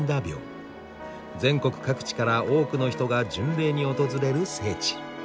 全国各地から多くの人が巡礼に訪れる聖地。